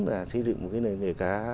là xây dựng một cái nghề cá